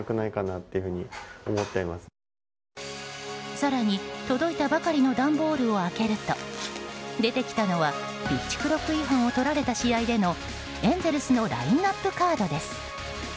更に届いたばかりの段ボールを開けると出てきたのはピッチクロック違反をとられた試合でのエンゼルスのラインアップ・カードです。